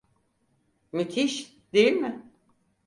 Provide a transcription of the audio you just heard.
Müthiş, değil mi?